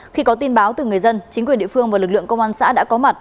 khi có tin báo từ người dân chính quyền địa phương và lực lượng công an xã đã có mặt